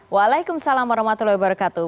waalaikumsalam warahmatullahi wabarakatuh